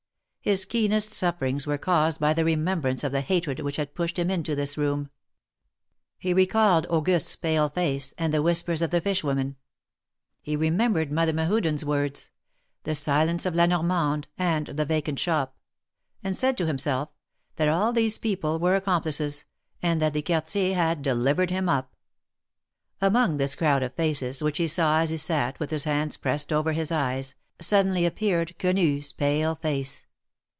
His keenest sufferings were caused by the remembrance of the hatred which had pushed him into this room. He 304 THE MAEKETS OF PAEIS. recalled Auguste's pale face, and the whispers of the fish women ; he remembered Mother Mehuden's words ; the silence of La Normande, and the vacant shop ; and said to himself, that all these people were accomplices, and that the Quartier had delivered him up. Among this crowd of faces, which he saw as he sat with his hands pressed over his eyes, suddenly aj^peared Quenu's pale face.